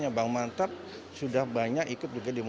ya sudah ada percobaan yang su alles